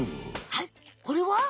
はいこれは？